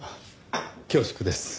恐縮です。